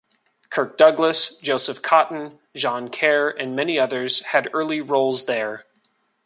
Kirk Douglas, Joseph Cotten, Jean Kerr, and many others had early roles there.